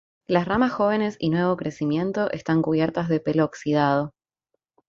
Las ramas jóvenes y nuevo crecimiento están cubiertas de pelo oxidado.